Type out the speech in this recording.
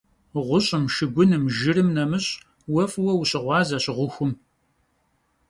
Ğuş'ım, şşıgunım, jjırım nemış' vue f'ıue vuşığuazeş ğuxum.